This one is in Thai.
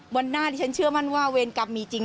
วันหน้าที่ฉันเชื่อมั่นว่าเวรกรรมมีจริง